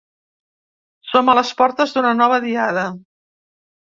Som a les portes d’una nova Diada.